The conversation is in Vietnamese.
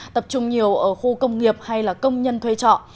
tập trung nhiều ở khu công nghiệp hay là công nhân thuê trọ